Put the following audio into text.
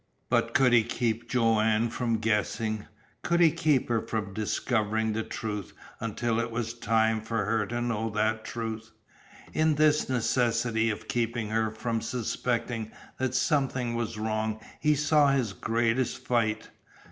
But could he keep Joanne from guessing? Could he keep her from discovering the truth until it was time for her to know that truth? In this necessity of keeping her from suspecting that something was wrong he saw his greatest fight.